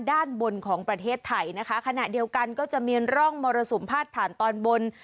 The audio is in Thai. ด้านบนของประเทศไทยนะคะขณะเดียวกันก็จะมีร่องมรสุมพาดผ่านตอนบน